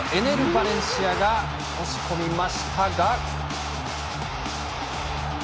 ・バレンシアが押し込みましたが。